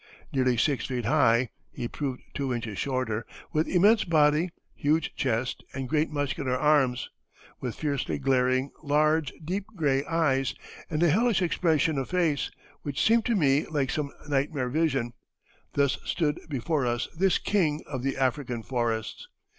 Nearly six feet high (he proved two inches shorter), with immense body, huge chest, and great muscular arms; with fiercely glaring, large, deep gray eyes, and a hellish expression of face, which seemed to me like some nightmare vision, thus stood before us this king of the African forests.